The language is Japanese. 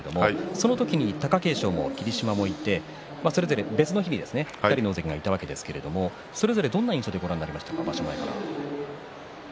その時、貴景勝も霧島もいてそれぞれ別の日ですね２人の大関がいたわけですがどんな印象でご覧になりましたか。